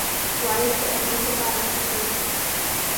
وايي چې د امنيت له پاره ښه دي.